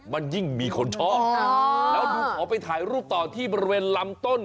มันยิ่งมีคนชอบแล้วดูขอไปถ่ายรูปต่อที่บริเวณลำต้น